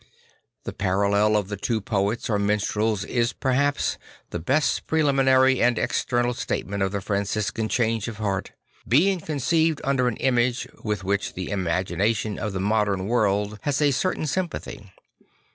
This parallel of the two poets or minstrels is perhaps the best preliminary and external statement of the Franciscan change of heart, being conceived under an image with which the imagination of the modern world has a certain sympathy.